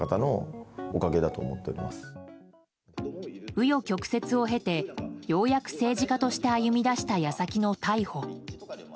紆余曲折を経てようやく政治家として歩み出した矢先の逮捕。